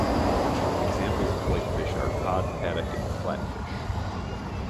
Examples of white fish are cod, haddock and flatfish.